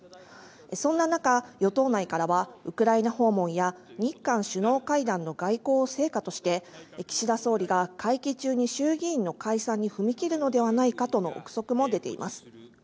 そんな中、与党内からはウクライナ訪問や日韓首脳会談の外交成果として岸田総理が会期中に衆議院の解散に踏み切るのではないかとの臆測も出ています。